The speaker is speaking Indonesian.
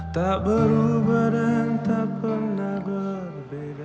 tak berubah dan tak pernah berbeda